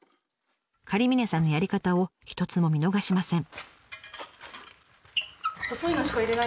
狩峰さんのやり方を一つも見逃しません。